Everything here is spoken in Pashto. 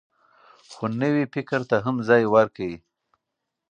خو نوي فکر ته هم ځای ورکړئ.